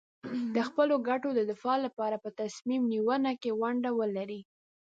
د خپلو ګټو د دفاع لپاره په تصمیم نیونه کې ونډه ولري.